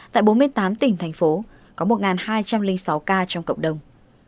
tại bốn mươi tám tỉnh thành phố có một hai trăm linh sáu ca trong cộng đồng